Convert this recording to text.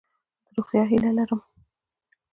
د روغتیا هیله لرم.